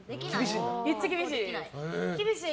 めっちゃ厳しい。